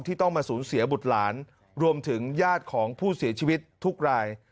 ต้องมาสูญเสียบุตรหลานรวมถึงญาติของผู้เสียชีวิตทุกราย